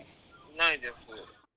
ないです。